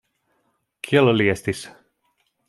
Kiel li estis?